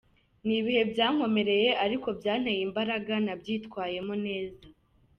Ni ibihe byankomereye ariko byanteye imbaraga, nabyitwayemo neza.